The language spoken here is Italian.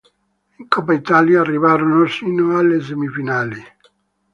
In Coppa Italia arrivarono sino alle semifinali.